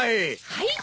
はい？